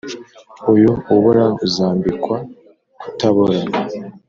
Uyu ubora uzambikwa kutabora